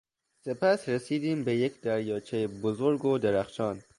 سپس رسیدیم به یک دریاچهی بزرگ و درخشان